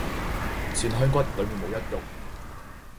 蒜香骨裡面冇一肉